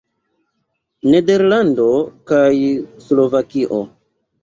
Nederlando kaj Slovakio.